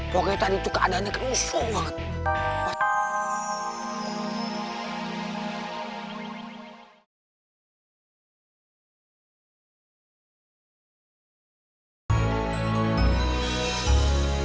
pokoknya tadi tuh keadaannya kenusuh banget